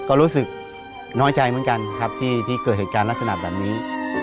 ก็รู้สึกน้อยใจเหมือนกันครับที่เกิดเหตุการณ์ลักษณะแบบนี้